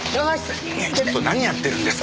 ちょっと何やってるんですか！